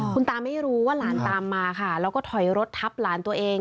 คุณตาไม่รู้ว่าร้านตามมาค่ะเพราะว่าถอยรถทัพร้านตัวเอง